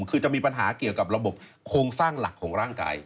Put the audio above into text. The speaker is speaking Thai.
คือจะมีปัญหาเกี่ยวกับระบบโครงสร้างหลักของร่างกาย